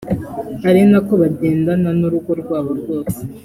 ari nako bagendana n’urugo rwabo rwose